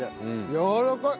やわらかい。